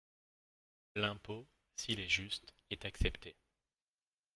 L’impôt, s’il est juste, est accepté.